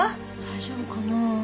大丈夫かな？